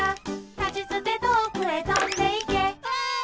「たちつてとおくへとんでいけ」わい！